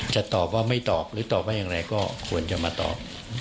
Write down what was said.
จะตอบว่าไม่ตอบหรือตอบว่าอย่างไรก็ควรจะมาตอบ